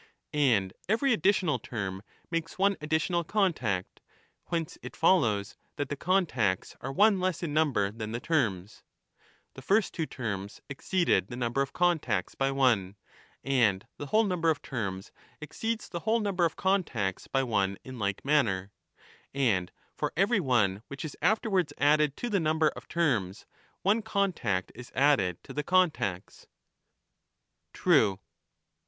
And every additional term makes one additional contact, whence it follows that the contacts are one less in number than the terms; the first two terms exceeded the number of contacts by one, and the whole number of terms exceeds the whole number of contacts by one in like manner ; and for every one which is afterwards added to the number of terms, one contact is added to the contacts. True.